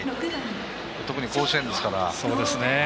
特に甲子園ですから。